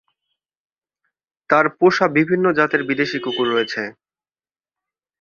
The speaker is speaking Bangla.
তার পোষা বিভিন্ন জাতের বিদেশি কুকুর রয়েছে।